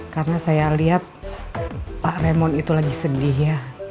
karena saya lihat pak raymond itu lagi sedih ya